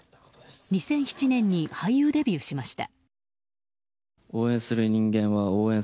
２００７年に俳優デビューしました。